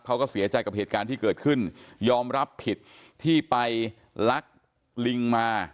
เขาก็เสียใจกับเหตุการณ์ที่เกิดขึ้นยอมรับผิดที่ไปลักลิงมา